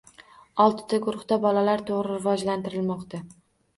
Oltita guruhda bolalar toʻgʻri “rivojlantirilmoqda”.